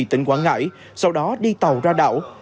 tỉnh quảng ngãi sau đó đi tàu ra đảo